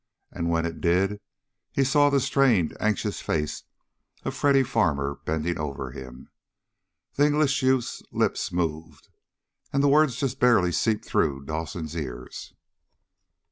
And when it did he saw the strained, anxious face of Freddy Farmer bending over him. The English youth's lips moved, and the words just barely seeped through Dawson's ears.